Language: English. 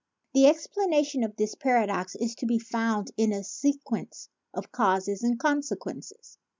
The explana tion of this paradox is to be found in a sequence of causes and consequences.